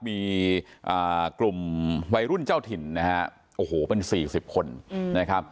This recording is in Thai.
เอ่อกลุ่มไว้รุ่นเจ้าถิ่นนะฮะโอ้โหเป็นสี่สิบคนนะฮะ